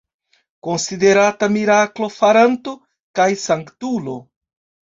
Konsiderata miraklo-faranto kaj sanktulo.